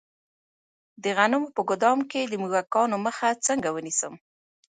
د غنمو په ګدام کې د موږکانو مخه څنګه ونیسم؟